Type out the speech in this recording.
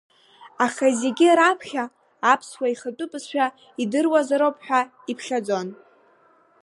Аха зегь раԥхьа аԥсуа ихатәы бызшәа идыруазароуп ҳәа иԥхьаӡон.